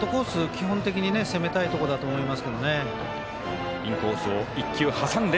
基本的に攻めたいところだと思いますけどね。